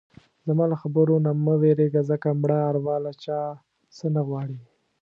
زما له خبرو نه مه وېرېږه ځکه مړه اروا له چا څه نه غواړي.